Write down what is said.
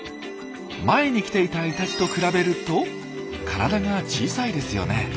前に来ていたイタチと比べると体が小さいですよね。